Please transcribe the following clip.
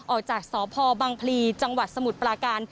ออกจากสพบังพลีจังหวัดสมุทรปลาการ